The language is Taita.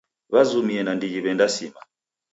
W'azumie nandighi w'endasima.